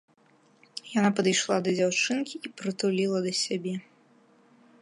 Яна падышла да дзяўчынкі і прытуліла да сябе.